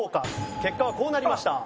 結果はこうなりました。